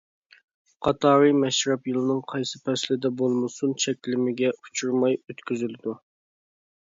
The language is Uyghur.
قاتارى مەشرەپ يىلنىڭ قايسى پەسىلدە بولمىسۇن چەكلىمىگە ئۇچرىماي ئۆتكۈزۈلىدۇ.